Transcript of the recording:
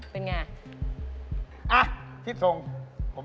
เป็นอย่างไร